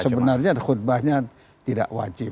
sebenarnya khutbahnya tidak wajib